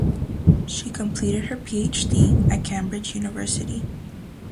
She completed her PhD at Cambridge University.